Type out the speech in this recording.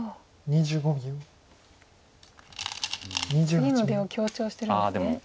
次の出を強調してるんですね。